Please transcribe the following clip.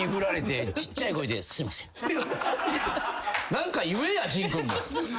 何か言えや陣君も。